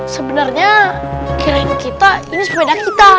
sebenarnya kirain kita ini sepeda kita